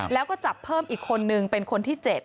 แล้วก็จับเพิ่มอีกคนนึงเป็นคนที่๗